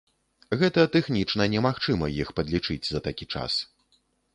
Гэта тэхнічна немагчыма іх падлічыць за такі час.